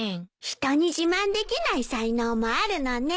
人に自慢できない才能もあるのね。